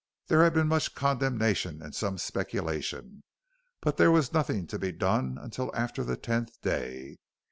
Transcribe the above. There had been much condemnation and some speculation, but there was nothing to be done until after the tenth day.